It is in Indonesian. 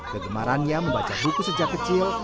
kegemarannya membaca buku sejak kecil